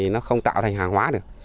nó không tạo thành hàng hóa được